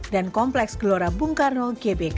dan kompleks gelora bung karno gbk